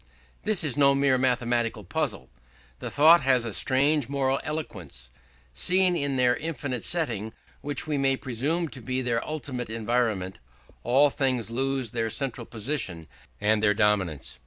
This is no mere mathematical puzzle; the thought has a strange moral eloquence. Seen in their infinite setting, which we may presume to be their ultimate environment, all things lose their central position and their dominant emphasis.